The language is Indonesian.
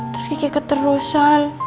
terus gigi keterusan